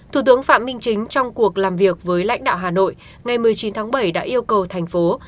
thủ tướng phạm minh chính trong cuộc làm việc với lãnh đạo hà nội ngày một mươi chín tháng bảy đã yêu cầu thành phố